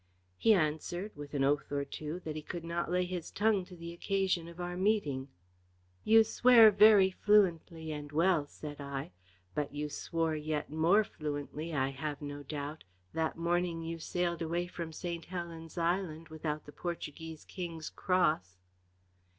He answered, with an oath or two, that he could not lay his tongue to the occasion of our meeting. "You swear very fluently and well," said I. "But you swore yet more fluently, I have no doubt, that morning you sailed away from St. Helen's Island without the Portuguese King's cross."